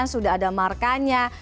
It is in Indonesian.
sudah ada markanya